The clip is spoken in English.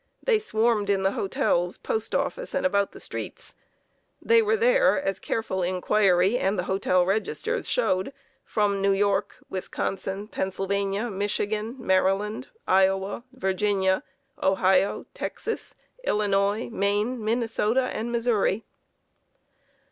They swarmed in the hotels, postoffice, and about the streets. They were there, as careful inquiry and the hotel registers showed, from New York, Wisconsin, Pennsylvania, Michigan, Maryland, Iowa, Virginia, Ohio, Texas, Illinois, Maine, Minnesota, and Missouri.